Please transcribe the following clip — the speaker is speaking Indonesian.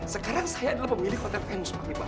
sekarang saya adalah pemilih kotor penuh sepati pak